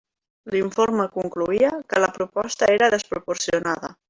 L'informe concloïa que la proposta era desproporcionada.